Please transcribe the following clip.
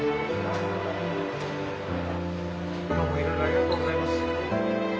どうもいろいろありがとうございます。